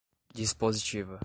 dispositiva